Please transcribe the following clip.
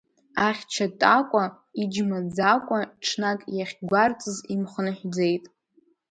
Ахьча Такәа иџьма Ӡакәа ҽнак иахьгәарҵыз имхынҳәӡеит.